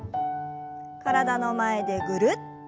体の前でぐるっと。